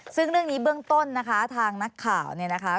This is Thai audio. ซึ่งเรื่องนี้เบื้องต้นนะคะทางนักข่าวเนี่ยนะคะ